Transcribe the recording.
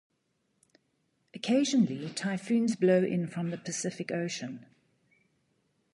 Occasionally typhoons blow in from the Pacific Ocean.